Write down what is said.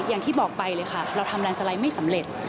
อย่างที่บอกไปเลยค่ะเราทำแลนดสไลด์ไม่สำเร็จ